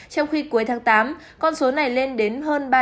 trong khi cuối tháng tám con số này lên đến hơn